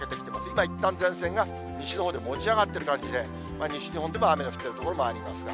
今、いったん前線が西のほうで持ち上がってる感じで、西日本でも雨の降っている所もありますが。